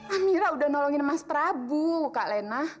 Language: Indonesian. amira udah nolongin mas prabu kak lena